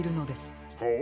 ほう。